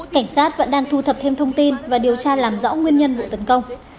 cảnh sát vẫn đang thu thập thêm thông tin và điều tra làm rõ nguyên nhân vụ tấn công